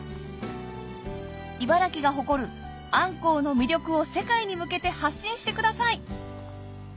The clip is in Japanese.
茨城が誇るあんこうの魅力を世界に向けて発信してください